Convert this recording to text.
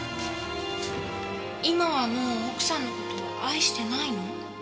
今はもう奥さんの事愛してないの？